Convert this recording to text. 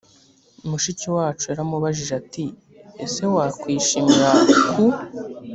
mushiki wacu yaramubajije ati ese wakwishimira ku